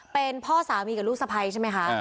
เป็นพ่อสามีกับลูกสะพ้ายใช่ไหมคะ